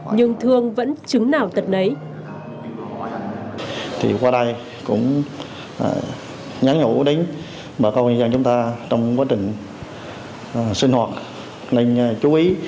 nhưng thương vẫn chứng nào tật nấy